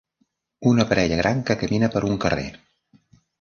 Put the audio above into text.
Una parella gran que camina per un carrer.